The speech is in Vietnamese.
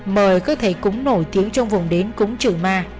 mời các thầy cúng nổi tiếng trong vùng đến cúng trừ ma